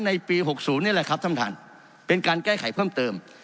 ในปี๖๐นี่แหละครับท่านท่านเป็นการแก้ไขเพิ่มเติม